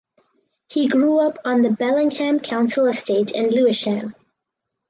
He grew up on the Bellingham council estate in Lewisham.